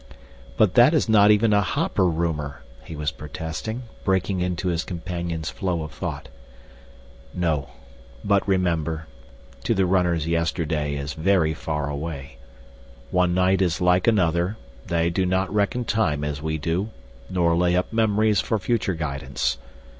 "But that is not even a hopper rumor," he was protesting, breaking into his companion's flow of thought. "No. But, remember, to the runners yesterday is very far away. One night is like another; they do not reckon time as we do, nor lay up memories for future guidance.